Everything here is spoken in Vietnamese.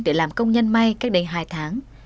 để làm công nhân may cách đây hai tháng